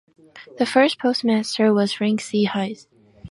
The first postmaster was Frank C. Hise.